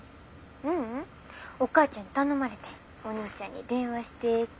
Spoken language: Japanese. ううんお母ちゃんに頼まれてん。お兄ちゃんに電話してって。